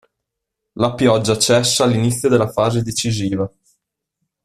La pioggia cessa all'inizio della fase decisiva.